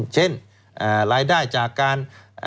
เช่นรายได้จากการ